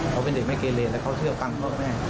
เขาเป็นเด็กไม่เกรลียดแล้วเขาเชื่อฟังพ่อแม่